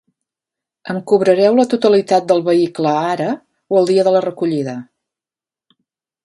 Em cobrareu la totalitat del vehicle ara o el dia de la recollida?